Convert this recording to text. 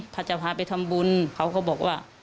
พระเจ้าพาไปทำบุญเขาก็บอกว่า